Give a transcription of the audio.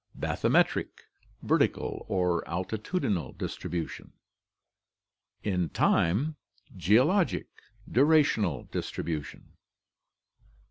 Bathymetric. Vertical or altitudinal distribution. In time: Geologic. Durational distribution.